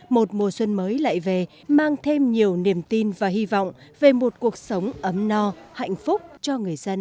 một mùa xuân mới lại về mang thêm nhiều niềm tin và hy vọng về một cuộc sống ấm no hạnh phúc cho người dân vùng cao sơn la